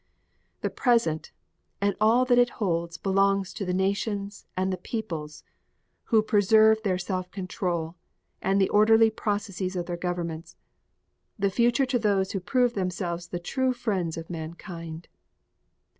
The present and all that it holds belongs to the nations and the peoples who preserve their self control and the orderly processes of their governments; the future to those who prove themselves the true friends of mankind.